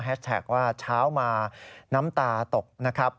กว่าเช้ามาน้ำตาตกนะครับ